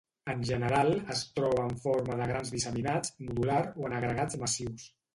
En general, es troba en forma de grans disseminats, nodular o en agregats massius.